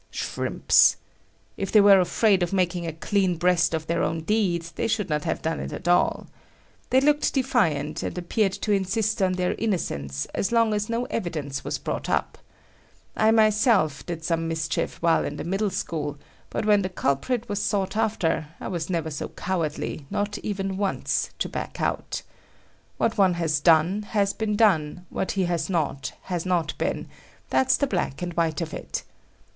Shrimps! If they were afraid of making a clean breast of their own deed, they should not have done it at all. They looked defiant, and appeared to insist on their innocence as long as no evidence was brought up. I myself did some mischief while in the middle school, but when the culprit was sought after, I was never so cowardly, not even once, to back out. What one has done, has been done; what he has not, has not been,—that's the black and white of it.